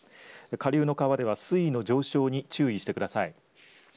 下流の川では、水位の上昇に注意してください。